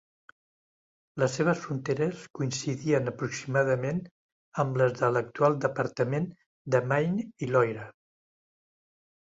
Les seves fronteres coincidien aproximadament amb les de l'actual departament de Maine i Loira.